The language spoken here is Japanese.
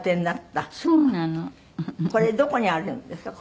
これどこにあるんですか？